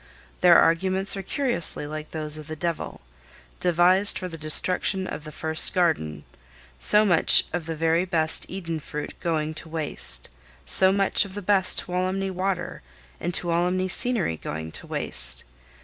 Their arguments are curiously like those of the devil, devised for the destruction of the first garden—so much of the very best Eden fruit going to waste; so much of the best Tuolumne water and Tuolumne scenery going to waste.